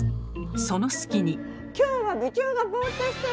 その隙に。